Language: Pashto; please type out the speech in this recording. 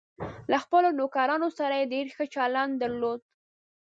له خپلو نوکرانو سره یې ډېر ښه چلند درلود.